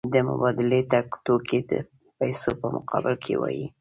دې مبادلې ته توکي د پیسو په مقابل کې وايي